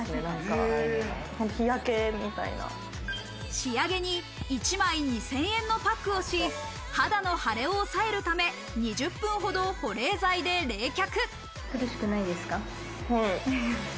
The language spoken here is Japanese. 仕上げに一枚２０００円のパックをし、肌の腫れを抑えるため、２０分ほど保冷剤で冷却。